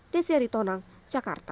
desyari tonang jakarta